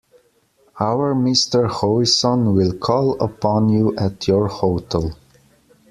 Our Mr Howison will call upon you at your hotel.